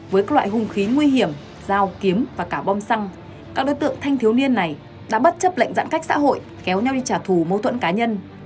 với các loại hung khí nguy hiểm dao kiếm và cả bom xăng các đối tượng thanh thiếu niên này đã bất chấp lệnh giãn cách xã hội kéo nhau đi trả thù mâu thuẫn cá nhân